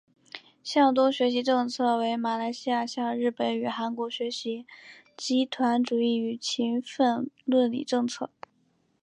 向东学习政策为马来西亚向日本与韩国学习集团主义与勤奋论理政策。